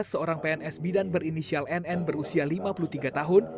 seorang pns bidan berinisial nn berusia lima puluh tiga tahun